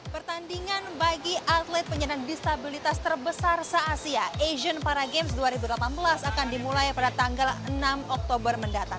pertandingan bagi atlet penyandang disabilitas terbesar se asia asian para games dua ribu delapan belas akan dimulai pada tanggal enam oktober mendatang